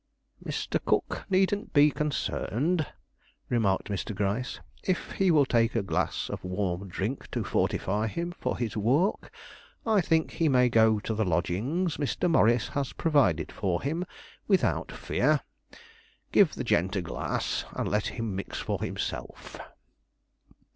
"Mr. Cook needn't be concerned," remarked Mr. Gryce. "If he will take a glass of warm drink to fortify him for his walk, I think he may go to the lodgings Mr. Morris has provided for him without fear. Give the gent a glass, and let him mix for himself."